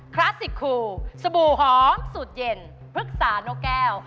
คลาสสิกคูสบู่หอมสูตรเย็นพฤกษานกแก้ว